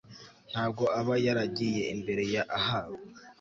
ntabwo aba yaragiye imbere ya Ahabu